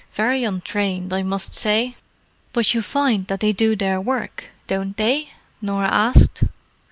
Very untrained, I must say." "But you find that they do their work, don't they?" Norah asked.